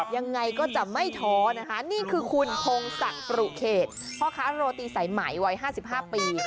ยังไงก็จะไม่ท้อนะคะนี่คือคุณพงศักดิ์ปรุเขตพ่อค้าโรตีสายไหมวัย๕๕ปี